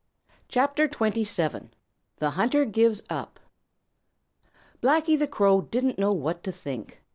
CHAPTER XXVII: The Hunter Gives Up Blacky The Crow didn't know what to think.